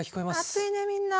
熱いねみんな。